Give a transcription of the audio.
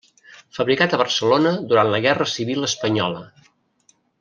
Fabricat a Barcelona durant la Guerra Civil Espanyola.